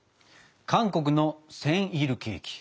韓国のセンイルケーキ。